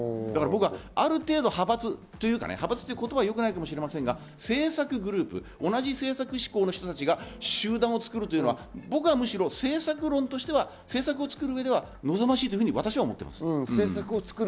ある程度、派閥というか、言葉はよくないかもしれませんが、政策グループ、同じ政策思考の人が集団を作るというのは、僕はむしろ政策論としては政策を作る上では望ましいと思っています。